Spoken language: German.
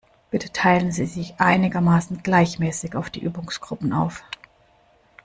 Bitte teilen Sie sich einigermaßen gleichmäßig auf die Übungsgruppen auf.